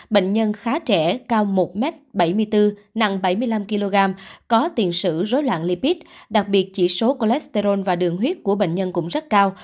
bệnh nhân khá trẻ cao một m bảy mươi bốn nặng bảy mươi năm kg có tiền sử rối loạn lipid đặc biệt chỉ số cholesterol và đường huyết của bệnh nhân cũng rất cao